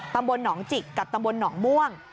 ตำบลหนองจิกกับตำบลหนองม่วง